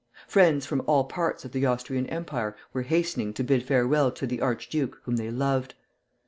Friends from all parts of the Austrian Empire were hastening to bid farewell to the Archduke whom they loved.